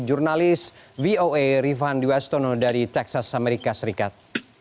jurnalis voa rifandi westono dari texas amerika serikat